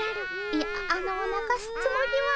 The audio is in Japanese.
いやあのなかすつもりは。